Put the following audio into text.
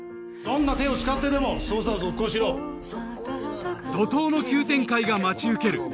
・どんな手を使ってでも捜査を続行しろ怒濤の急展開が待ち受ける